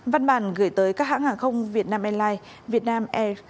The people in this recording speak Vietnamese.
văn bản gửi tới các hãng hàng không việt nam airlines vietnam air